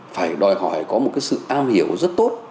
phải đòi hỏi có một cái sự am hiểu rất tốt